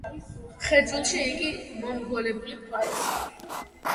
მხედრულში იგი მომრგვალებული ფორმისაა.